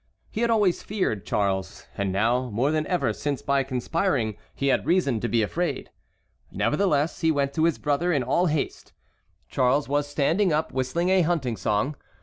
He had always feared Charles, and now more than ever since by conspiring he had reason to be afraid. Nevertheless, he went to his brother in all haste. Charles was standing up, whistling a hunting song.